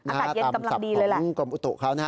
อากาศเย็นตำรงกรมอุตถุคันน่ะ